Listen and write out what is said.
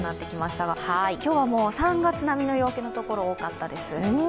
今日は３月並みの陽気のところが多かったです。